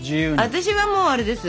私はもうあれです。